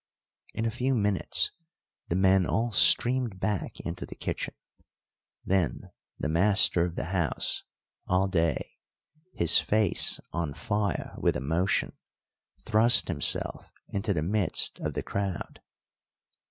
In a few minutes the men all streamed back into the kitchen. Then the master of the house, Alday, his face on fire with emotion, thrust himself into the midst of the crowd.